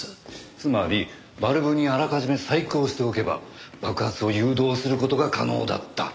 つまりバルブにあらかじめ細工をしておけば爆発を誘導する事が可能だったって事ですよね？